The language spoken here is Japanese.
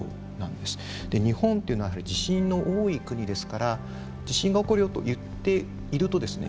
で日本というのはやはり地震の多い国ですから「地震が起こるよ」と言っているとですね